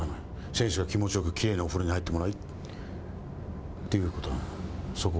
選手が気持ちよくきれいなお風呂に入ってもらうということ。